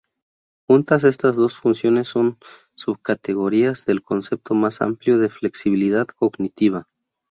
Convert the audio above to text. Juntas, estas dos funciones son subcategorías del concepto más amplio de flexibilidad cognitiva.